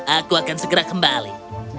aku akan segera kembali